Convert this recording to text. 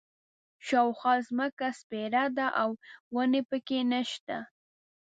شاوخوا ځمکه سپېره ده او ونې په کې نه شته.